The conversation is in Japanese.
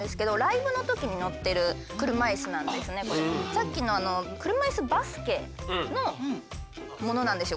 さっきの車いすバスケのものなんですよ